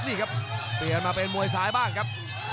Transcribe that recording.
นี่ครับเปลี่ยนมาเป็นมวยซ้ายบ้างครับ